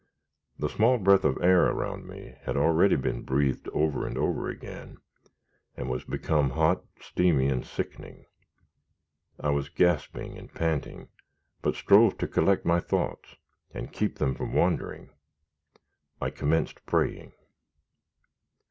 The small breath of air around me had already been breathed over and over again, and was become hot, steamy, and sickening. I was gasping and panting, but strove to collect my thoughts and keep them from wandering. I commenced praying.